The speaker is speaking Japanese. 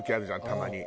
たまに。